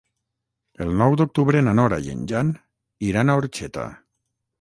El nou d'octubre na Nora i en Jan iran a Orxeta.